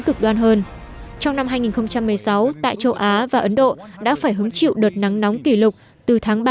cực đoan hơn trong năm hai nghìn một mươi sáu tại châu á và ấn độ đã phải hứng chịu đợt nắng nóng kỷ lục từ tháng ba